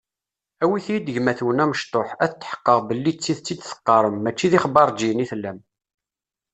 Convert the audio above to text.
Awit-iyi-d gma-twen amecṭuḥ, ad tḥeqqeɣ belli d tidet i d-teqqarem, mačči d ixbaṛǧiyen i tellam.